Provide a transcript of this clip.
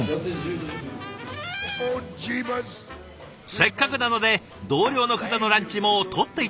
せっかくなので同僚の方のランチも撮って頂きました。